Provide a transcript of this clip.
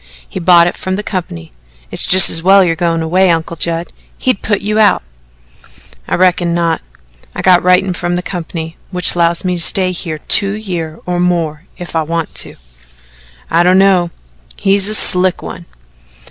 "He bought it from the company. It's just as well you're goin' away, Uncle Judd. He'd put you out." "I reckon not. I got writin' from the company which 'lows me to stay here two year or more if I want to." "I don't know. He's a slick one."